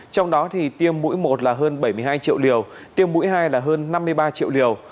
trong đó thì tiêm mũi một là hơn bảy mươi hai triệu liều tiêm mũi hai là hơn năm mươi ba triệu liều